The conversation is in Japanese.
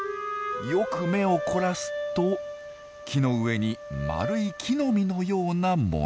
よく目を凝らすと木の上に丸い木の実のようなもの。